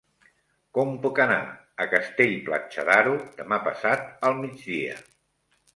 Com puc anar a Castell-Platja d'Aro demà passat al migdia?